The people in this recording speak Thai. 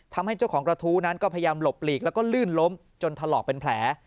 ทำให้เจ้าของกระทู้นั้นก็พยายามหลบหลีกแล้วก็ลื่นล้มจนถลอกเป็นแผล